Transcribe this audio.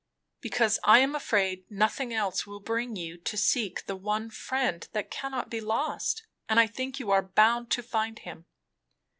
"Because I am afraid nothing else will bring you to seek the one Friend that cannot be lost; and I think you are bound to find Him."